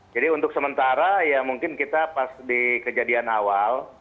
jadi untuk sementara ya mungkin kita pas di kejadian awal